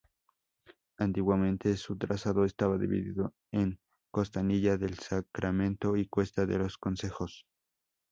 Antiguamente su trazado estaba dividido en Costanilla del Sacramento y Cuesta de los Consejos.